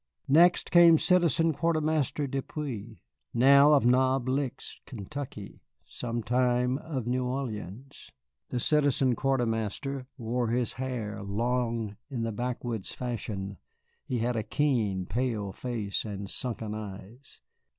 Next came Citizen Quartermaster Depeau, now of Knob Licks, Kentucky, sometime of New Orleans. The Citizen Quartermaster wore his hair long in the backwoods fashion; he had a keen, pale face and sunken eyes.